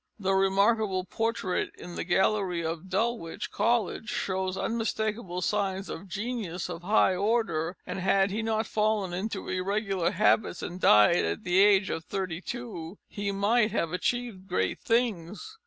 The remarkable portrait in the Gallery of Dulwich College shows unmistakable signs of genius of a high order, and had he not fallen into irregular habits and died at the age of thirty two he might have achieved great things.